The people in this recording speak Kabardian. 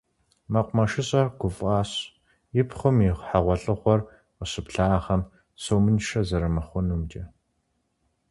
МэкъумэшыщӀэр гуфӀащ, и пхъум и хьэгъуэлӀыгъуэр къыщыблагъэм сомыншэ зэрымыхъунумкӀэ.